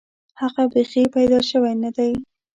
هغه بیخي پیدا شوی نه دی.